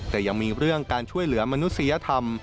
แต่ยังมีเรื่องการช่วยเหลือมนุษยธรรม